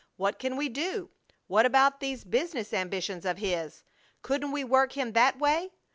"What can we do? What about these business ambitions of his? Couldn't we work him that way?